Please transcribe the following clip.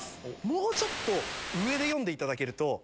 もうちょっと上で読んでいただけると。